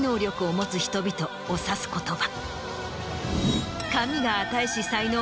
持つ人々を指す言葉。